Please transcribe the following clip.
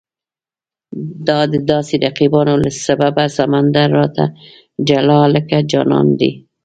د دا هسې رقیبانو له سببه، سمندر رانه جلا لکه جانان دی